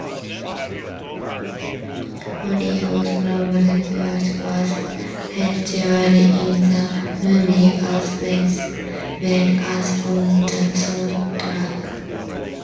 "Holy Roller Novocaine" was featured in the movie as well as on the soundtrack.